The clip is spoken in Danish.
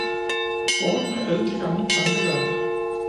Bort med alle de gamle plankeværker